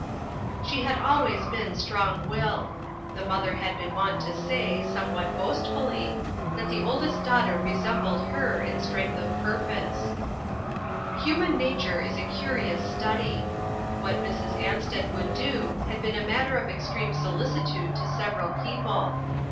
She had always been strong willed. The mother had been wont to say, somewhat boastfully, that her oldest daughter resem bled her in strength of purpose. THE SUMMERS STORY. 413 Human nature is a curious study. What Mrs. Ansted would do, had been a matter of extreme solicitude to several people.